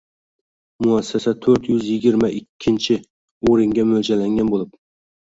Muassasa to'rt yuz yigirma ikkinchi o‘ringa mo‘ljallangan bo‘lib